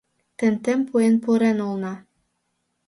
Тентем пуэн пурен улына.